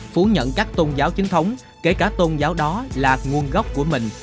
chúng muốn nhận các tôn giáo chính thống kể cả tôn giáo đó là nguồn gốc của mình